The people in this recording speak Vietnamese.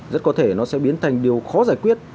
rất có thể nó sẽ biến thành điều khó khăn